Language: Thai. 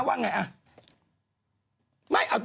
สวัสดีครับ